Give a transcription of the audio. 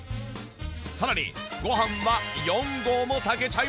さらにご飯は４合も炊けちゃいます！